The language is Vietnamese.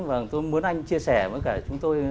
vâng tôi muốn anh chia sẻ với cả chúng tôi